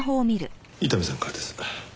伊丹さんからです。